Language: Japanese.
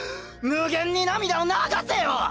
無限に涙を流せよ！